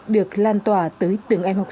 được lan tỏa tới những bài giảng